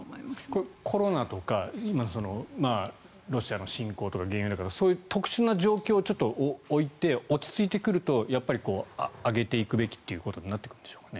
これ、コロナとか今のロシアの侵攻とか原油高とか、そういう特殊な状況をちょっと置いて落ち着いてくるとやっぱり上げていくべきということになってくるんでしょうか。